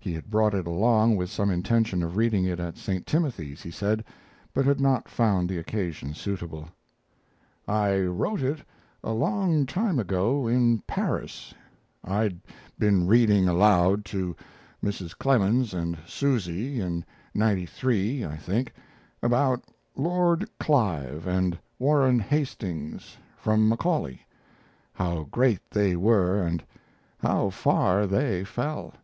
He had brought it along with some intention of reading it at St. Timothy's, he said, but had not found the occasion suitable. "I wrote it a long time ago in Paris. I'd been reading aloud to Mrs. Clemens and Susy in '93, I think about Lord Clive and Warren Hastings, from Macaulay how great they were and how far they fell.